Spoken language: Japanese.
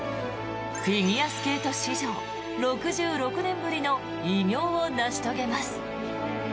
フィギュアスケート史上６６年ぶりの偉業を成し遂げます。